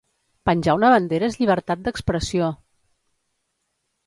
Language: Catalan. Penjar una bandera és llibertat d'expressió!